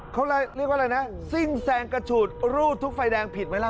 เขาเรียกว่าอะไรนะซิ่งแซงกระฉูดรูดทุกไฟแดงผิดไหมล่ะ